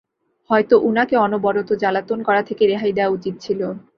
হয়ত উনাকে অনরবত জ্বালাতন করা থেকে রেহাই দেয়া উচিত ছিল।